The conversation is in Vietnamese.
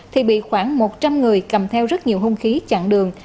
thì bị khoảng một trăm linh người cầm theo rất nhiều hung khí chặn đường